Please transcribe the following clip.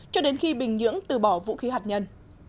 cho đến khi bình nhưỡng từ bỏ vũ khí hạt nhân